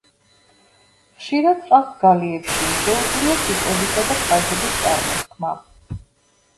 ხშირად ჰყავთ გალიებში, შეუძლია სიტყვებისა და ფრაზების წარმოთქმა.